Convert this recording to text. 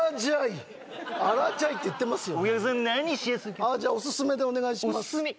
今日じゃあオススメでお願いしますオススメ？